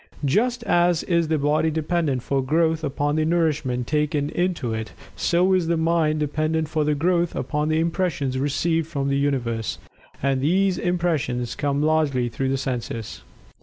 Just as is the body dependent for growth upon the nourishment taken into it, so is the mind dependent for growth upon the impressions received from the Universe and these impressions come largely through the senses.